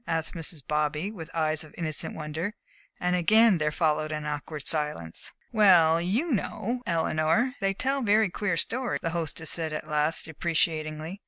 asked Mrs. Bobby, with eyes of innocent wonder, and again there followed an awkward silence. "Well, you know, Eleanor, they tell very queer stories," the hostess said at last, deprecatingly.